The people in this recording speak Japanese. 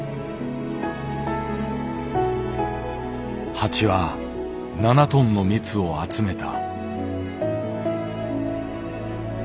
蜂は７トンの蜜を集めた。